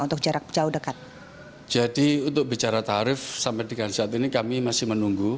untuk jarak jauh dekat jadi untuk bicara tarif sampai dengan saat ini kami masih menunggu